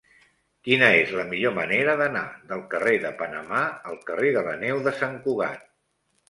Quina és la millor manera d'anar del carrer de Panamà al carrer de la Neu de Sant Cugat?